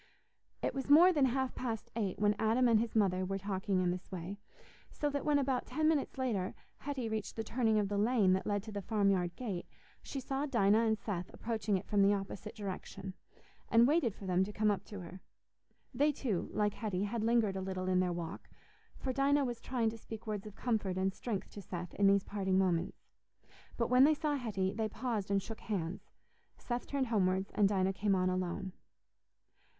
It was more than half past eight when Adam and his mother were talking in this way, so that when, about ten minutes later, Hetty reached the turning of the lane that led to the farmyard gate, she saw Dinah and Seth approaching it from the opposite direction, and waited for them to come up to her. They, too, like Hetty, had lingered a little in their walk, for Dinah was trying to speak words of comfort and strength to Seth in these parting moments. But when they saw Hetty, they paused and shook hands; Seth turned homewards, and Dinah came on alone.